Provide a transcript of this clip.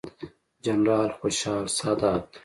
جنرال خوشحال سادات،